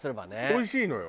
おいしいのよ。